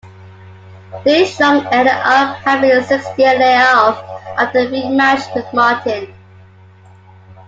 DeShong ended up having a six-year layoff after the rematch with Martin.